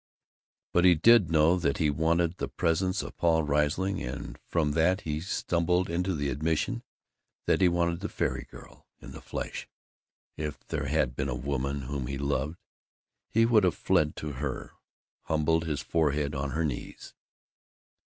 But he did know that he wanted the presence of Paul Riesling; and from that he stumbled into the admission that he wanted the fairy girl in the flesh. If there had been a woman whom he loved, he would have fled to her, humbled his forehead on her knees.